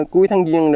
cuối tháng duyên